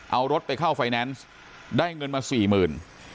เอารถไปเข้าไฟแนนซ์ได้เงินมาสี่หมื่น